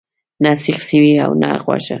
نه سیخ سوی او نه غوښه.